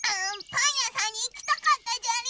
パンやさんにいきたかったじゃり！